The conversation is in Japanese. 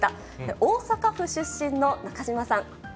大阪府出身の中島さん。